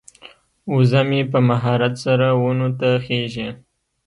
وزه مې په مهارت سره ونو ته خیژي.